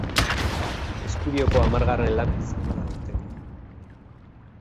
Estudioko hamargarren lana izango da aurtengoa.